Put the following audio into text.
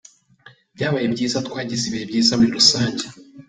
Byabaye byiza, twagize ibihe byiza muri rusange.